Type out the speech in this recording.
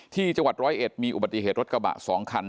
ที่จังหวัดร้อยเอ็ดมีอุบัติเหตุรถกระบะ๒คัน